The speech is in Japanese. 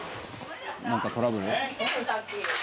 なんかトラブル？